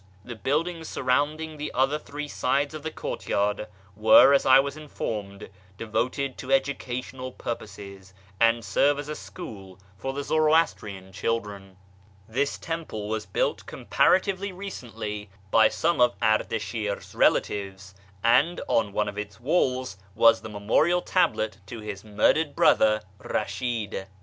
The buildings surrounding the other three ides of the courtyard were, as I was informed, devoted to ducational purposes, and serve as a school for the Zoroastrian liildren. This temple was built comparatively recently by 374 ^ YEAR AMONGST THE PERSIANS some of Ardashir's relatives, and on one of its walls was the memorial tablet to liis murdered l)rother Easlii'd.